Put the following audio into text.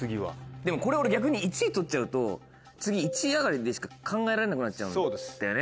でもこれ俺逆に１位取っちゃうと次１位上がりでしか考えられなくなっちゃうんだよね。